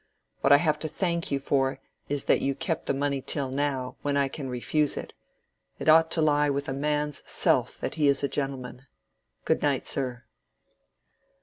What I have to thank you for is that you kept the money till now, when I can refuse it. It ought to lie with a man's self that he is a gentleman. Good night, sir."